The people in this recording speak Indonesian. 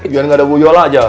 biar nggak ada buyola aja